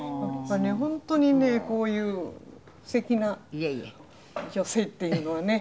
本当にねこういう素敵な女性っていうのはね。